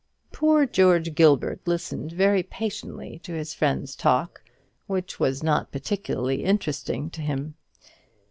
Poor George Gilbert listened very patiently to his friend's talk, which was not particularly interesting to him.